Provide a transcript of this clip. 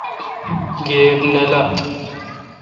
گیب نہ لات۔